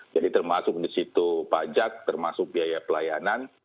termasuk di situ pajak termasuk biaya pelayanan